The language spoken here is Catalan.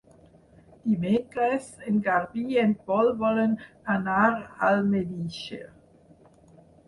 Dimecres en Garbí i en Pol volen anar a Almedíxer.